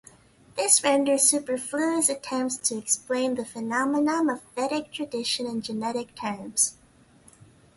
This renders superfluous attempts to explain the phenomenon of Vedic tradition in genetic terms.